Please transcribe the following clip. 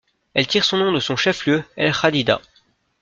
Elle tire son nom de son chef-lieu, El Jadida.